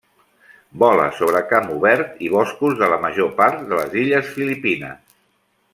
Vola sobre camp obert i boscos de la major part de les illes Filipines.